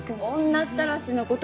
女ったらしの事。